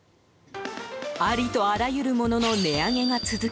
ありとあらゆるものの値上げが続く